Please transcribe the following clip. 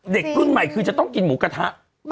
เด็กรุ่นใหม่คือจะต้องกินหมูกระทะ